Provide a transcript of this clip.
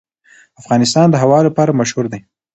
افغانستان د هوا لپاره مشهور دی.